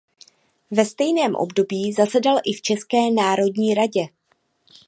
Ve stejném období zasedal i v České národní radě.